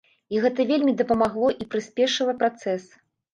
І гэта вельмі дапамагло і прыспешыла працэс.